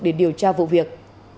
để điều tra vụ việc